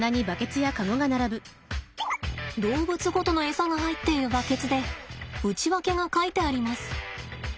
動物ごとのエサが入っているバケツで内訳が書いてあります。